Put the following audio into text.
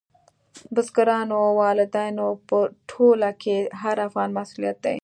بزګرانو، والدینو په ټوله کې د هر افغان مسؤلیت دی.